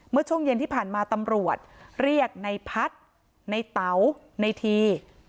เมื่อช่วงเย็นที่ผ่านมาตำรวจเรียกในพัฒน์ในเต๋าในที